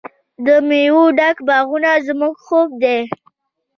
د میوو ډک باغونه زموږ خوب دی.